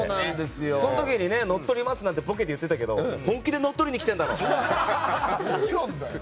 その時にのっとりますなんてボケて言ってたけど本気で乗っ取りにきてるだろ。